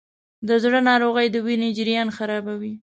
د زړه ناروغۍ د وینې جریان خرابوي.